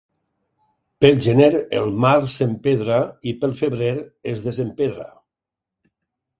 Pel gener el mar s'empedra i pel febrer es desempedra.